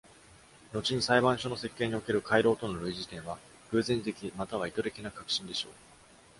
後に裁判所の設計における回廊との類似点は、偶然的、または意図的な革新でしょう。